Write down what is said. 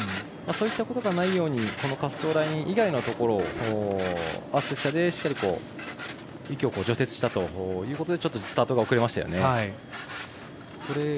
そういったことがないように滑走ライン以外のところを圧雪車で雪を除雪したということでスタートが遅れましたよね。